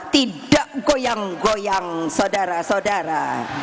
tidak goyang goyang saudara saudara